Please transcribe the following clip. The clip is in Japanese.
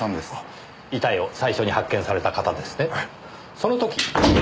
その時。